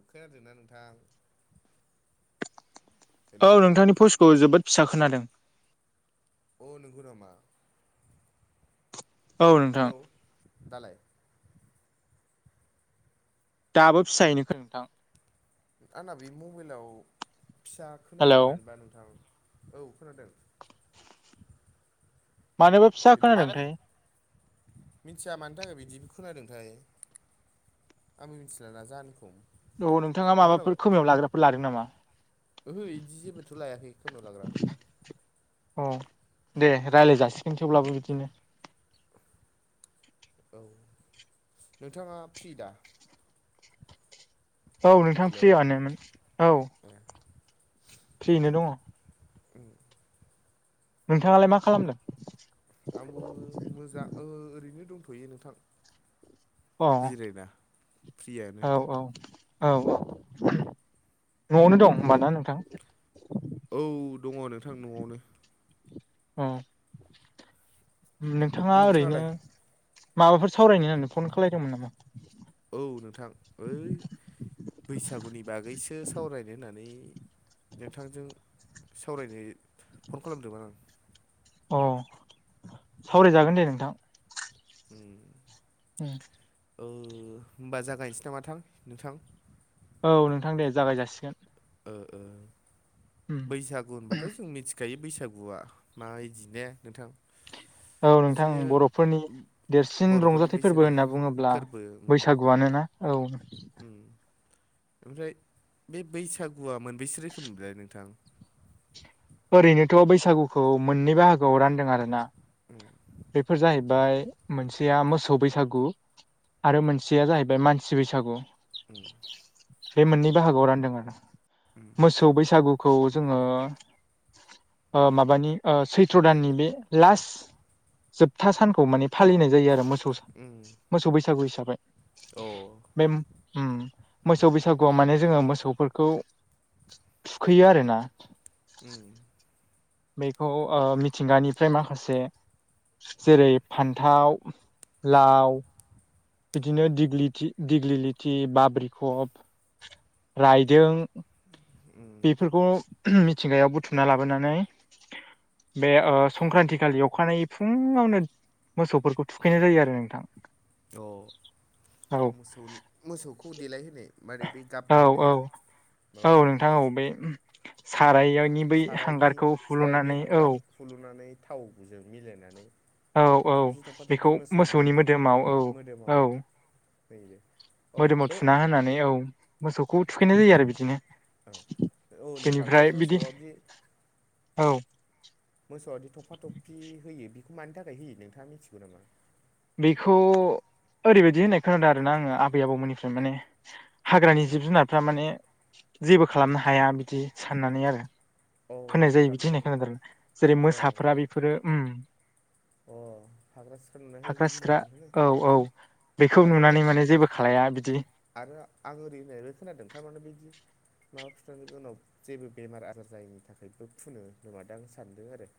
अखाया हादों ना नोंथां औ हेलौ नोंथांनि भयेसखौ जोबोद फिसा खोनादों अ नंगौ नामा औ नोंथां हेलौ दालाय दाबो फिसायैनो खोनादों नोंथां आंना बे मबाइलाव फिसा हेलौ खोनायोलै मानोबा नोंथां औ खोनादों मानोबा फिसा खोनादोंथाय मिनथिया मानि थाखाय बिदि खोनादोंथाय आंबो मिथिला ना जाहोनखौ औ नोंथाङा दा खोनाबाय माबाफोर खोमायाव लाग्राफोर लादों नामा ओहो इदि जेबोथ' लायाखै खोमायाव लाग्रा अ दे रायलाय जासिगोन थेवब्लाबो बिदिनो औ नोंथाङा फ्रि दा [inaudible] औ नोंथाङा हेलौ फ्रियानोमोन औ ए फ्रियैनो दङ' उम नोंथाङालाय मा खालामदों आंबो मोजां ओ ओरैनो दंथ'यो नोंथां अ जिरायना [unintelligible] औ औ औ औ न'आवनो दं होमबा ना नोंथां औ दङ नोंथां न'आवनो अ नोंथाङा ओरैनो नोंथाङालाय माबाफोर सावरायनो होननानै फन खालायदोंमोन नामा औ नोंथां ओइ बैसागुनि बागैसो सावरायनो होननानै नोंथांजों सावरायनो फन खालामदोंमोन आं अ सावरायजागोन दे नोंथां उम उ [unintelligible] औ होमबा जागायनोसै नामा थां नोंथां औ नोंथां दे जागाय जासिगोन ओ ओ बैसागो होनबा थ' जों मिथिखायो बैसागुआ माबायदि ने नोंथां औ नोंथां बिदिनो बर'फोरनि देरसिन बर'फोरनि रंजाथाइ फोरबो बैसागु होनना बुङोब्ला फोरबो उम बैसागुआनो ना औ उम ओमफ्राय बे बैसागुआ मोनबेसे रोखोम मोनलाय नोंथां ओरैनोथ' बैसागुखौ मोननै बाहागोआव रानदों आरो ना उम बेफोर जाहैबाय मोनसेया मोसौ बैसागु आरो मोनसेया जाहैबाय मानसि बैसागु उ [unintelligible] बे मोननै बाहागोआव रानदों आरो उम मोसौ बैसागुखौ जोङो ओ माबानि ओ सैथ्र' दाननि बे लास्ट जोबथा सानखौ माने फालिनाय जायो आरो मोसौ उम मोसौ बैसागु हिसाबै अ उम बे उम मोसौ बैसागुआव माने जोङो मोसौफोरखौ थुखैयो आरो ना उम बेखौ ओ मिथिंगानिफ्राय माखासे जेरै फान्थाव लाव बिदिनो दिग्लिथि दिग्लिलिथि बाब्रिखब रायदों बेफोरखौ [inaudible] मिथिंगायाव बुथुमना लाबोनानै बे ओ संक्रान्ति खालि अखानायै फुङावनो मोसौफोरखौ थुखैनाय जायो आरो नोंथां अ मोसौ मोसौखौ देलायहोनाय माने बे गाब नोंथां औ औ गाहोनाया माबा [unintelligible] औ बे साराय सारायनि सारायनि औ हांगार हुलुनानै थावजों मिलायनानै औ थफा औ थफि थफा थफि बेखौ मोसौनि मोदोमाव औ औ जाहैबाय [unintelligible] मोदोमाव थुना होनानै औ मोसौखौ ओं थुखैनाय जायो आरो बिदिनो औ नोंथां बे बेनिफ्राय बिदि मोसौआ बे औ मोसौआदि थबफा थफि होयो बेखौ मानि थाखाय होयो नोंथाङा मिथिगौ नामा बेखौ ओरैबायदि होननाय खोनादों आरोना आङो आबै आबौमोननिफ्राय माने हाग्रानि औ जिब जुनारफ्रा माने जेबो खालामनो हाया बिदि साननानै आरो औ फोननाय जायो बिदि होननाय थारमाने खोनादों जेरै औ मोसाफोरा बेफोरो उम अ फाग्रा सिख्रा नुनायखाय फाख्रा बेखौ गिनाय सिख्रा खारदोंनो औ औ बेखौ आरो नुनानै माने जेबो खालाया बिदि आरो आं ओरै होननायबो खोनादों थारमाने बिदि माबा [unintelligible] खिथानि उनाव जेबो बेमार आजार जायैनि थाखायबो फुनो खोमादां आं सानदों आरो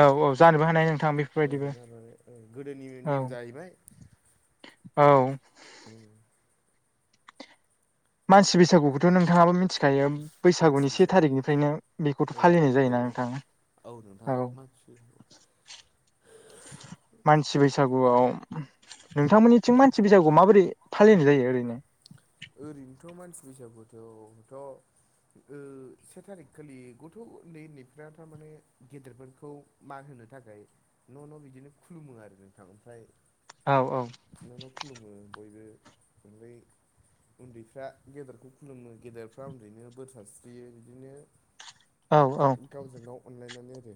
औ औ जानोबो हानाय नोंथां बेफोरबायदिबो जानो गोदोनि औ नेम जाहैबाय औ ओम मानसि बैसागुखौथ' नोंथाङाब मिथिगो बेखायायो मानसि बैसागुनि से बैसागु थारिखनिफ्रायनो बेखौथ' औ फालिनाय औ जायो ना नोंथां औ नोंथां मानसि मानसि बैसागुआव नोंथांमोननिथिं मानसि बैसागुखौ माबोरै फालिनाय जायो ओरैनो ओरैनोथ' मानसि बैसागुखौथ' से थारिख खालि गथ' उन्दै उन्दैफ्रा थारमाने गेदेरफोरखौ मान होनो थाखाय न' न' बिदिनो खुलुमो आरो नोंथां ओमफ्राय औ औ न' न' खुलुमो बयबो ओमफाय उन्दैफ्रा गेदेरखौ खुलुमो गेदेरफ्रा उन्दैनो बोर सारस्रियो बिदिनो औ औ गावजों गाव अनलायनानै आरो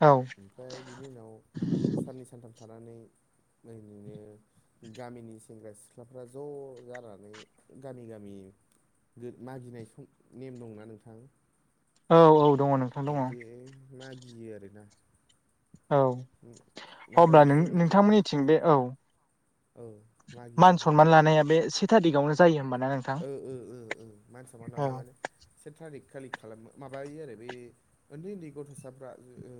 औ बिनि उनाव साननै सानथाम थानानै ओरैैनो गामिनि सेंग्रा सिख्ला फिसाफ्रा ज' जानानै गामि गामि [unintelligible] मागिनाय नेम दंना नोंथां औ औ दङ नों बे मागियो आरोना औ नाथाय अब्ला नों जोंनिखि नोंथांमोननिथिं बे औ औ मागियो मान सनमान लानाया बे से थारिखावनो जायो होमबाना नों ओ ओ मान सनमान लानाय माने से थारिक खालि खालामो माबायो आरो बे उन्दै उन्दै गथ'साफ्रा ओ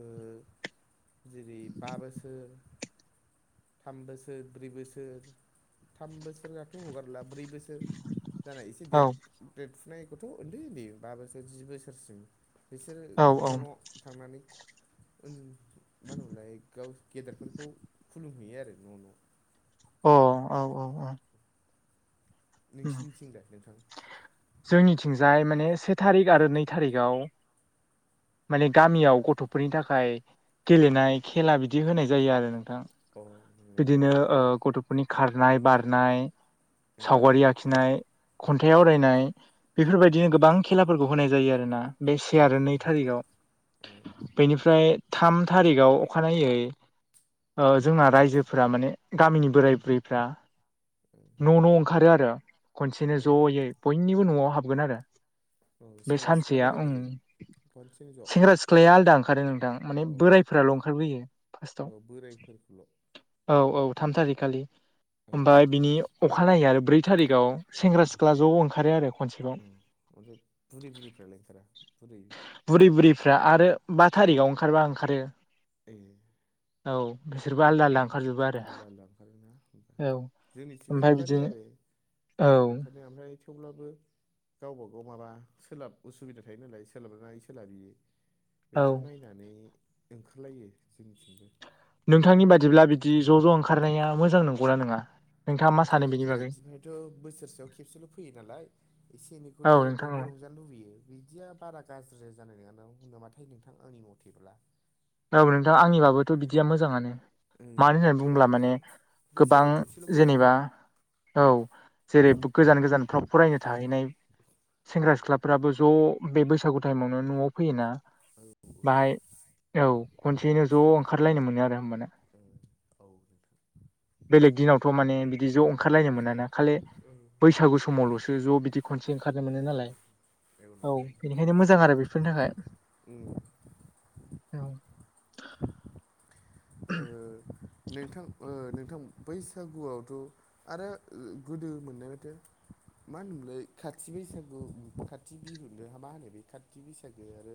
जेरै बा बोसोर थाम बोसोर ब्रै बोसोर थाम बोसोराथ' हगारला ब्रै बोसोर जानाय एसे औ देर देरफुनाय गथ' उन्दै उन्दै बा बोसोर जि बोसोरसिम बिसोरो औ न' न' अ थांनानै मा होनोमोनलाय गाव गेदेरफोरखौ खुलुमहैयो आरो न' न' अ औ औ औ नोंसिनिथिंलाय नोंथां जोंनिथिंजाय माने से थारिख आरो नै थारिखाव माने गामियाव गथ'फोरनि थाखाय गेलेनाय खेला बिदि होनाय जायो आरो नों थां अ नंगौ बिदिनो नोंथां गथ'फोरनि खारनाय बारनाय उम सावगारि आखि खन्थाइ आवरायनाय बेफोरबायदिनो गोबां खेलाफोरखौ होनाय जायो आरो ना बे से अ आरो नै उम थारिखआव बेनिफ्राय थाम थारिखआव अखानायै ओ जोंना रायजोफोरा माने गामिनि बोराय बुरैफ्रा ओ न' न' ओंखारो आरो खनसेनो ज'यै बयनिबो न'आव हाबगोन आरो औ बे सेंग्रा सिख्ला सानसेया बोराय ओम बुरै खनसेनो ज' औ सेंग्रा सिख्लाया आलादा ओंखारो नोंथां माने बोरायफोराल' ओंखारबोयो फार्स्टाव औ बोरायफोरखौल' औ औ औ थाम थारिकखालि ओमफ्राय बिनि अखानायै आरो ब्रै थारिख याव सेंग्रा सिख्ला ज' ओंखारो आरो खनसेबाव औ ओमफ्राय बुरि बुरिफ्रालाय ओंखारा बुरै बुरै बुरैफ्रा आरो बा थारिखाव ओंखारबा ओंखारो ए औ बिसोरबो आलदा आलदा ओंखारजोबो आरो आलदा आलदा ओंखारो ना होनबा औ जोंनिथिंबो ओमफ्राय ओंखारो बिदिनो आरो औ ओंखारनाया ओमफ्राय थेवब्लाबो गावबा गाव माबा सोलाब उसुबिदा थायो नालाय सोलाबनाय सोलाबि औ बेखौ नायनानै ओंखारलायो जोंनिथिंबो नोंथांनि बादिब्ला बिदि ज' ज' ओंखारनाया मोजां नंगौना नङा नोंथाङा मा सानो आंनि बेनि बागै? बायदिनिथ' बोसोरसेयाव खेबसेल' फैयो नालाय एसे औ एनैखौथ' नोंथां बयबो औ रंजा जानो लुबैयो बिदिया बारा गाज्रि जानाय नङा नामाथाय नोंथां आंनि मथेब्ला औ नोंथां आंनिबाबोथ' बिदिया मोजाङानो ओं मानो होननानै बुङोब्ला थारमाने माने गोबां बोसोराव खनसेल' फैबाय जेनेबा नालाय औ उम जेरै गोजान गोजानफ्राव फरायनो थाहैनाय औ सेंग्रा सिख्लाफ्राबो ज' बे बैसागु टाइमावनो न'आव फैयोना बाहाय औ खनसेनो ज' ओंखारलायनो मोनो आरो होमबाना ओम बेलेग दिनावथ' माने बिदि ज' ओंखारलायनो मोन ना खालि ओं बैसागु समावल'सो ज' बिदि खनसे ओंखारनो मोनो नालाय औ बेनिखायनो मोजां आरो बेफोरनि थाखाय ओम औ ओ नोंथां नोंथां बैसागुआवथ' आरो गोदो मोननाय माथो मा होनोमोनलाय खाथि बैसागु खाथि बिहुनो मा होनो बे खाथि बैसागो आरो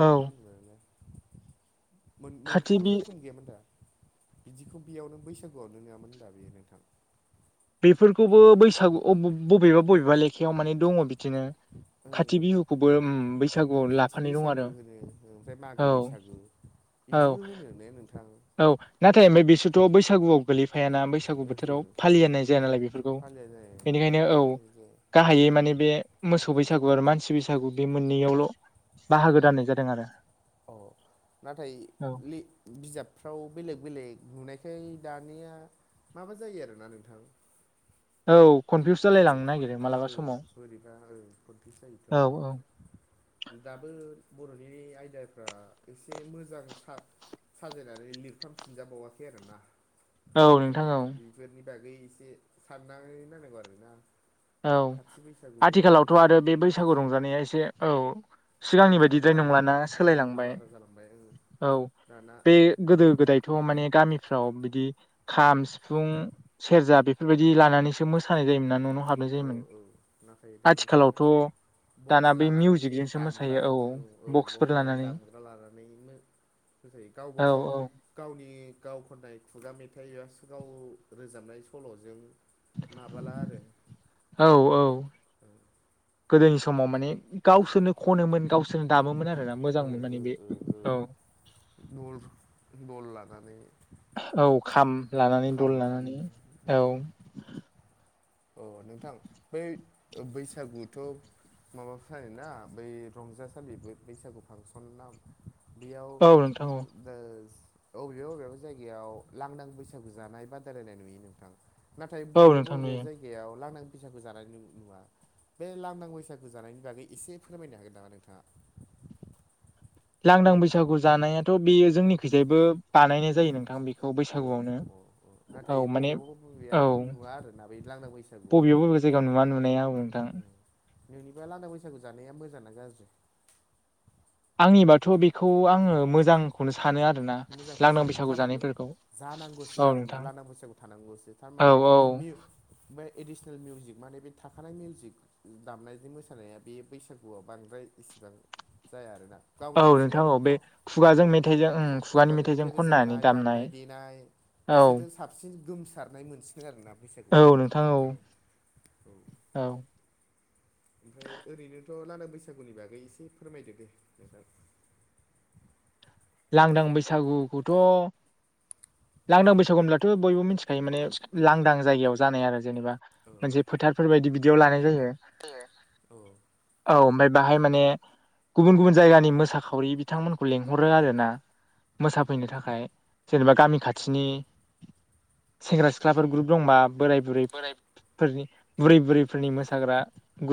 मा औ मा होनो मोनलाय मोन खाथि मोनथाम बि रो गैयामोन दा बिदिखौ बेयावनो बैसागुआवनो नङामोन होन दा बेयो नोंथां बेफोरखौबो बैसागु बबेबा बबेबा लेखायाव माने दङ बिदिनो ओ खाथि बिहु खौबो ओम बैसा खाथि बैसागु होनो ओमफ्राय मागो औ बैसागु बिदिबो औ होनो ने नोंथां औ नाथाय ओमफ्राय बिसोरथ' बैसागुआव गोलैफायाना बैसागु ओहो बोथोराव ओहो फालियानो फालिया नालाय बेफोरखौ फालिया जाया बेनिखायनो औ फालिनाय जाया गाहायै माने बे मोसौ बैसागु आरो मानसि बैसागु बे मोननैयावल' बाहागो राननाय जादों आरो औ नाथाय औ लि बिजाबफ्राव बेलेग बेलेग नुनायखाय दानिया माबा जायो आरोना नोंथां औ कनफिउस ओ जालायलांनो नागिरो मालाबा समाव बोरैबा खनफुइस जायोथ' औ औ आरो दाबो बर'नि आयदाफ्रा एसे मोजां सार साजायनानै लिरफामफिनजाबावाखै आरोना औ नोंथां औ बेफोरनि बागै एसे साननानै नांगौ आरो ना औ आथिखालावथ' आरो बे बैसागु आथिखालाव रंजानाया एसे औ सिगांनि आलादा बायदिद्राय आलादा नंलााना ओं सोलायलांबाय आलादा जालांबाय ओं औ दाना बे गोदो गोदायथ' माने गामिफ्राव बिदि खाम सिफुं सेरजा बेफोरबायदि लानानैसो मोसानाय जायोमोन ना न' न' हाब औ औ नाथाय दानाथ' बक्स दाना बै लानानैसो मिउजिकजोंसो दामग्रा मोसायो औ औ बक्स लानानै दामग्रा लानानै मो सायो गावबा औ गाव औ गावनि गाव खननाय खुगा मेथाइ एबा स [unintelligible] गाव रोजाबनाय सल'जों माबाला आरो औ औ ओ गोदोनि समाव माने गावसोरनो खनोमोन गावसोरनो दामोमोन आरो ना ओ ओ ओ ओ नल नल लानानै औ खाम लानानै दल लानानै औ अ नोंथां बै ओ बैसागुथ' माबा फालियोना बै रंजासालि बे बैसागु फांसन ना बेयाव औ नोंथां औ दा अबेबा अबेबा जायगायाव लांदां बैसागु जानाय बादायलायनाय नुयो नोंथां नाथाय औ बबेबा नोंथां बबेबा नुयो जायगायाव लांदां बैसागु जानाय नुवा बे लांदां बैसागो जानायनि बागै एसे फोरमायनो हागोन नामा नोंथाङा लांदां बैसागु जानायाथ' बेयो जोंनिखैजायबो बानायनाय जायो नोंथां बे औ औ औ नाथाय माने बबेयावबा बबेयाखै औ नुवा आरोना बै लांदां बैसा बबे बबे जायगायाव नुवा नुनाया औ नोंथां नोंनिबा लांदां बैसागु जानाया मोजां ना गाज्रि आंनिबाथ' बेखौ आङो मोजां मोजांखौसो सानो थारमाने जानायफोरखौ जानांगौसो औ आरोना नोंथां लांदां बैसागु थानांगौसो औ थारमाने औ मिउ बे एडिसनेल मिउजिक माने बे थाखानाय मिउजिक दामनायजों मोसानाया बे बैसागुआव बांद्राय इसिबां जाया आरोना औ गावनि नोंथां खुगानि औ ख बे ओ खुगाजों मेथाइजों ओं खु खुगानि खुगाजों मेथाइजों मेथाइ खननानै रोजाबनाय दामनाय देनाय औ बिसोरजों साबसिन गोमसारनाय मोनसिनो आरोना बैसागु औ बोथोरखौनो नोंथां औ नोंथा औ औ औ ओमफ्राय ओरैनोथ' लांदां बैसागुनि बागै एसे फोरमायदो दे नोंथां लांदां बैसागुखौथ' लांदां बैसागु होनब्लाथ' बयबो मिथिखायो माने मिथिखा लांदां जायगायाव जानाय आरो जेनेबा औ मोनसे फोथारफोर बायदि बिदियाव लानाय जायो जायो औ औ ओमफाय बाहाय माने गुबुन गुबुन जायगानि मोसाखावरि बिथांमोनखौ औ लिंहरो आरो [inaudible] मोसाफैनो थाखाय जेनेबा गामि खाथिनि सेंग्रा सिख्लाफोर ग्रुप दंबा बोराय बोराय बुरैफोरनि बुरै बुरैफोरनि मोसाग्रा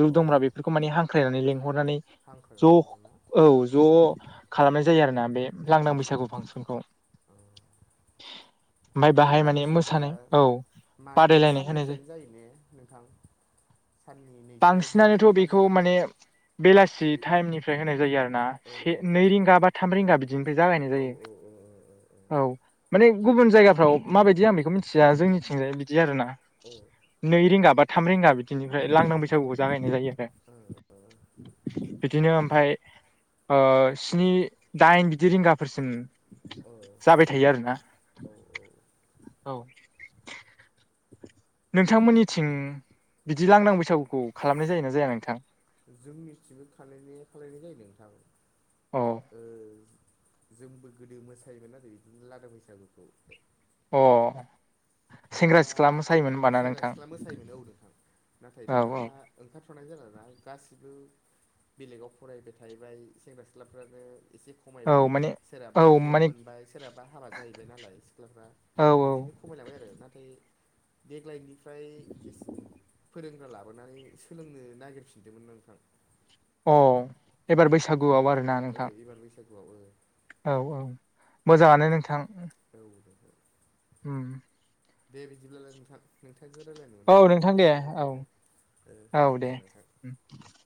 ग्रुप दंब्रा बेफोरखौ माने हां ख्रायनानै लेंंहरनानै हांख्रायना ज' लिंहरोना औ ज' खालामनाय जायो आरोना बे लांदां औ बैसागु फांसनखौ औ ओमफाय बे बाहाय लाना माने बैसागुआ मोसानाय औ मान बादायलायनाय होनाय जायो साननिफ्रायनो ने नोंथां साननि नै बाजि थाम बांसिनानोथ' बेखौ बाजि माने बेलासि बे टाइमनिफ्राय होनाय जायो आरो ना ओ से नै रिंगा बा थाम रिंगा बिदिनो जागायनाय औ जायो औ औ औ औ औ माने गुबुन जायगाफ्राव माबायदि आं बेखौ मिथिया जोंनिथिंजाय बिदि आरो ना नै रिंगा बा थाम रिंगा बिदिनिफ्राय लांदां बैसागुखौ जागायनाय जायो आरो बिदिनो ओमफाय ओ स्नि दाइन जि रिंगाफोरसिम औ जाबाय थायो आरोना औ औ औ नोंथांमोननिथिं बिदि लांदां बैसागुखौ खालामनाय जायोना जाया नोंथां जोंनिथिंबो खालायनाया खालायनाय जायो नोंथां अ ओ जोंबो गोदो मोसायोमोन आरो बिदिनो लांदां बैसागुखौ अ ओमफ्राय सेंग्रा दा सिख्ला मोसायोमोन होनबाना सेंग्रा नोंथां सिख्ला मोसायोनो औ नोंथां नाथाय औ दा औ ओंखारथ'नाय जाला ना गासिबो बेलेगाव फरायबाय थाहैबाय सेंग्रा सिख्लाफ्रानो एसे औ खमायबाय माने औ सोरहाबा जब माने मोनबाय सोरहाबा हाबा जाहैबाय नालाय सिख्लाफ्रा औ औ बिदिनो खमायलांबाय आरो नाथाय देग्लायनिफ्राय एसे फोरोंग्रा लाबोनानै सोलोंनो नागिरफिनदोंमोन नोंथां अ एबार बैसागुआव आरोना ओ नोंथां एबार बैसागुआव ओ औ औ मोजाङानो नोंथां औ नोंमारगौ उम दे बिदिब्लालाय नोंथां नोंथांजों रायज्लायनो औ मोननानै नोंथां दे गोसो गोबो औ जाब दे ओ दे नोंथां [inaudible]